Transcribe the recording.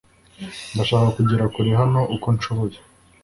ndashaka kugera kure hano uko nshoboye